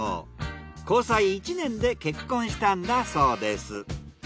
交際１年で結婚したんだそうです。